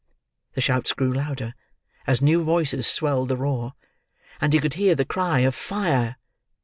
The shouts grew louder as new voices swelled the roar, and he could hear the cry of Fire!